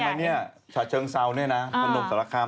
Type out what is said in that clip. อันนี้ชาเชิงเซาเนี่ยนะมันหนุ่มแต่ละคาม